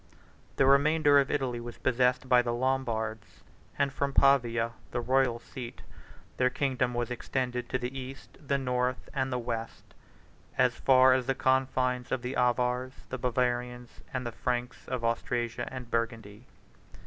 The remainder of Italy was possessed by the Lombards; and from Pavia, the royal seat, their kingdom was extended to the east, the north, and the west, as far as the confines of the Avars, the Bavarians, and the Franks of Austrasia and Burgundy.